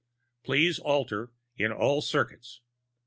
Please alter in all circuits.